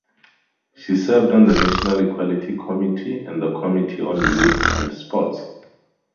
She served on the national equality committee and the committee on youth and sports.